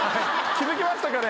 気付きましたかね？